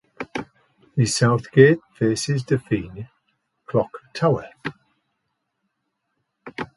The south gate faces Dufferin Clock Tower.